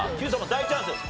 大チャンスです。